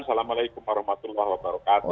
assalamualaikum warahmatullahi wabarakatuh